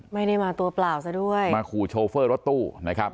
ไม่ได้มาตัวเปล่าซะด้วยมาขู่โชเฟอร์รถตู้นะครับ